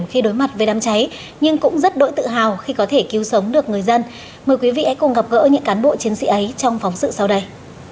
hãy cùng gặp gỡ những cán bộ chiến sĩ ấy trong phóng sự sau đây